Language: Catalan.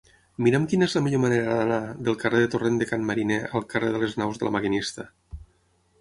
Mira'm quina és la millor manera d'anar del carrer del Torrent de Can Mariner al carrer de les Naus de La Maquinista.